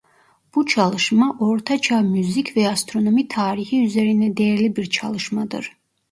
Bu çalışma Orta Çağ müzik ve astronomi tarihi üzerine değerli bir çalışmadır.